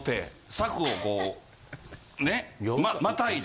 柵をこうねまたいで。